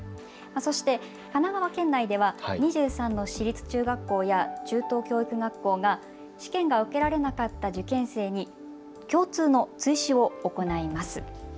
そして神奈川県内では２３の私立中学校や中等教育学校が試験が受けられなかった受験生に共通の追試を行います。